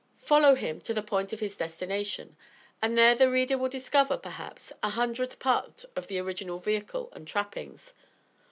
Follow him to the point of his destination, and there the reader will discover, perhaps, a hundredth part of the original vehicle and trappings.